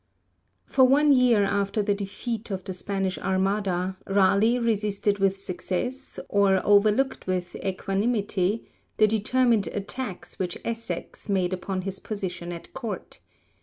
For one year after the defeat of the Spanish Armada, Raleigh resisted with success, or overlooked with equanimity, the determined attacks which Essex made upon his position at Court.